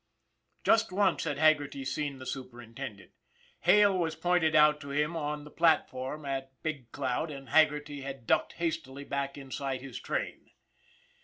Just once had Haggerty seen the superintendent. Hale was pointed out to him on the platform at Big 262 ON THE IRON AT BIG CLOUD Cloud, and Haggerty had ducked hastily back inside his train.